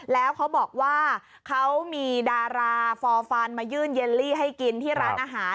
แล้วเขาบอกว่าเขามีดาราฟอร์ฟันมายื่นเยลลี่ให้กินที่ร้านอาหาร